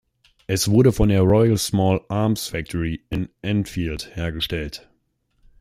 Es wurde von der Royal Small Arms Factory in Enfield hergestellt.